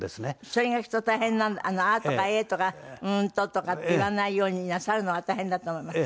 それがきっと大変「ああー」とか「ええー」とか「うーんと」とかって言わないようになさるのは大変だと思います。